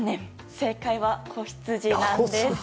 正解は子羊なんです。